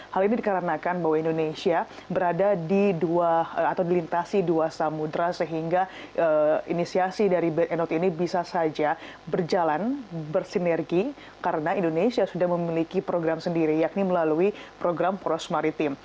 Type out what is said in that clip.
hal ini dikarenakan bahwa indonesia berada di dua atau dilintasi dua samudera sehingga inisiasi dari burnout ini bisa saja berjalan bersinergi karena indonesia sudah memiliki program sendiri yakni melalui program poros maritim